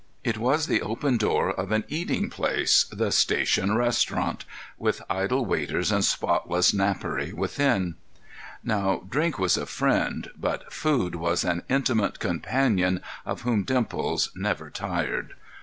It was the open door of an eating place—the station restaurant—with idle waiters and spotless napery within. Now, drink was a friend, but food was an intimate companion of whom Dimples never tired.